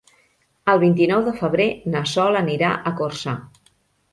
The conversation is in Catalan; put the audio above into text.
El vint-i-nou de febrer na Sol anirà a Corçà.